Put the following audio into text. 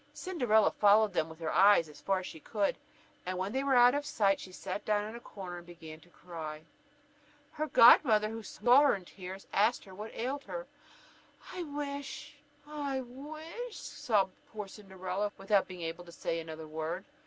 Cinderella followed them with her eyes as far as she could; and when they were out of sight, she sat down in a corner and began to cry. Her godmother, who saw her in tears, asked her what ailed her. "I wish I w i s h " sobbed poor Cinderella, without being able to say another word.